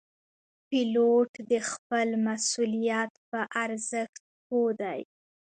پیلوټ د خپل مسؤلیت په ارزښت پوه دی.